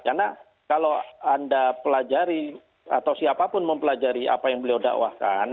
karena kalau anda pelajari atau siapa pun mempelajari apa yang beliau dakwahkan